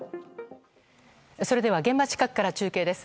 それでは現場近くから中継です。